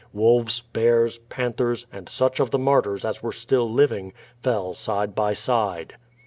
Wolves, bears, panthers, and such of the martyrs as were still living, fell side by side.